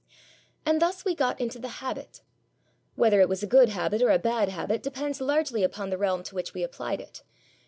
And thus we got into the habit. Whether it was a good habit or a bad habit depends largely upon the realm to which we applied it.